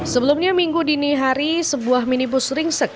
sebelumnya minggu dini hari sebuah minibus ringsek